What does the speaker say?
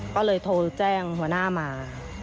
ก็เลยโทรแจ้งหัวหน้ามา